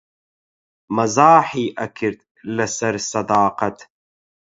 مەزاحی ئەکرد لەسەر سەداقەت